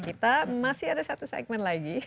kita masih ada satu segmen lagi